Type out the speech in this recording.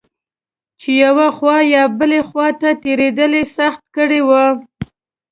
چې یوې خوا یا بلې خوا ته تېرېدل یې سخت کړي و.